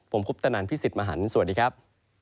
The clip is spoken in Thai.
ผมคุปตนันพี่สิทธิ์มหันฯสวัสดีครับ